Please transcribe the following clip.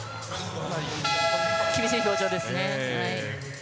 厳しい表情ですね。